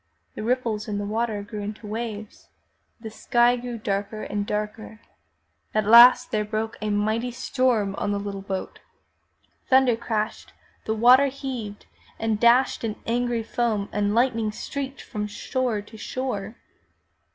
The ripples in the water grew into waves, the sky grew darker and darker. At last there broke a mighty storm on the little boat. Thunder crashed, the water heaved and dashed in angry foam and lightning streaked from shore to shore.